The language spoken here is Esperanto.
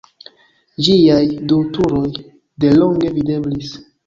Ĝiaj du turoj de longe videblis.